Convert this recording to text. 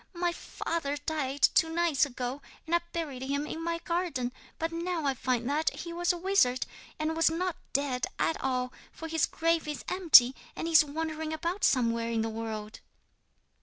"My father died two nights ago, and I buried him in my garden. But now I find that he was a wizard, and was not dead at all, for his grave is empty and he is wandering about somewhere in the world."